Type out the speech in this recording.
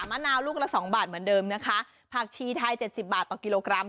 มะนาวลูกละสองบาทเหมือนเดิมนะคะผักชีไทยเจ็ดสิบบาทต่อกิโลกรัม